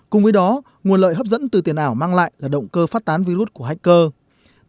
cùng với đó nguồn lợi hấp dẫn từ tiền ảo mang lại là động cơ phát tán virus của hacker